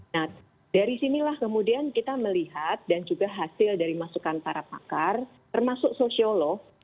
nah dari sinilah kemudian kita melihat dan juga hasil dari masukan para pakar termasuk sosiolog